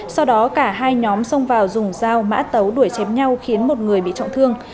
sau đó cả hai nhóm xông vào dùng dao mã tấu đuổi chém nhau khiến một người bị trọng thương